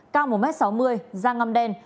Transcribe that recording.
cao một m sáu mươi da ngâm đen